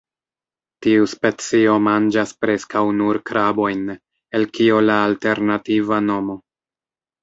Tiu specio manĝas preskaŭ nur krabojn, el kio la alternativa nomo.